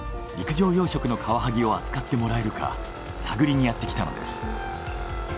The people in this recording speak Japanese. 陸上養殖のカワハギを扱ってもらえるか探りにやってきたのです。